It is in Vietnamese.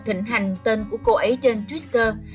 thịnh hành tên của cô ấy trên twitter